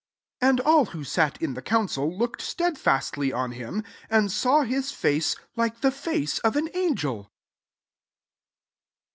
15 And all who sat in the council look ed stedfastly on hitn, and saw his face like the face of an an gel.